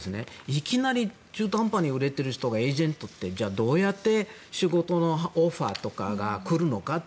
いきなり、中途半端に売れてる人がエージェントってじゃあ、どうやって仕事のオファーとかが来るのかと。